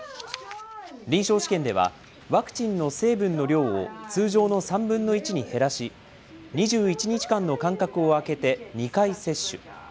臨床試験では、ワクチンの成分の量を通常の３分の１に減らし、２１日間の間隔を空けて、２回接種。